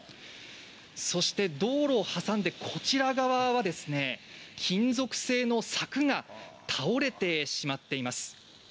そして道路を挟んでこちら側は金属製の柵が倒れてしまっています。